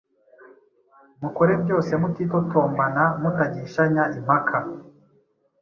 Mukore byose mutitotombana, mutagishanya impaka,